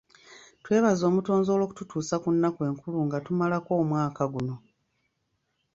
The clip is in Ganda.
Twebaza omutonzi olw'okututuusa ku nnaku enkulu nga tumalako omwaka guno.